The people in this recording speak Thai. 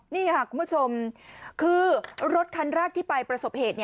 นี่ค่ะคุณผู้ชมคือรถคันแรกที่ไปประสบเหตุ